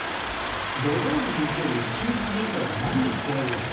土曜日、日曜日１日中一緒にいたらマジで疲れる訳。